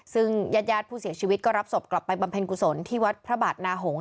ซึ่งญาติญาติผู้เสียชีวิตก็รับศพกลับไปบำเพ็ญกุศลที่วัดพระบาทนาหงษ